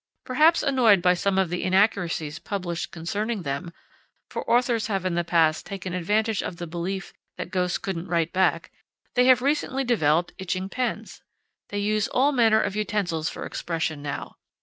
Perhaps annoyed by some of the inaccuracies published concerning them for authors have in the past taken advantage of the belief that ghosts couldn't write back they have recently developed itching pens. They use all manner of utensils for expression now.